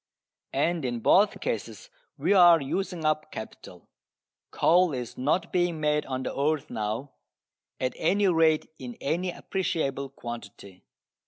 And in both cases we are using up capital. Coal is not being made on the earth now, at any rate in any appreciable quantity.